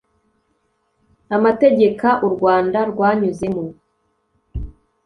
Amategeka u Rwanda rwanyuzemo